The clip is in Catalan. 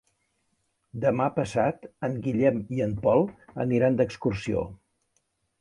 Demà passat en Guillem i en Pol aniran d'excursió.